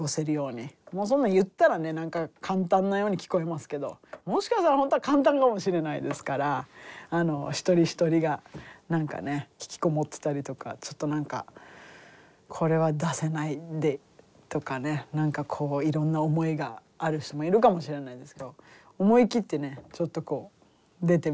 もうそんな言ったらね何か簡単なように聞こえますけどもしかしたら本当は簡単かもしれないですから一人一人が何かね引きこもってたりとかちょっと何かこれは出せないんでとかね何かこういろんな思いがある人もいるかもしれないですけど思い切ってねちょっとこう出てみたりとかうん。